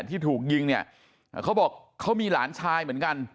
ที่ถูกยิงเนี่ยเขาบอกเขามีหลานชายเหมือนกัน